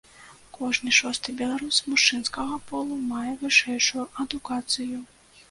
Кожны шосты беларус мужчынскага полу мае вышэйшую адукацыю.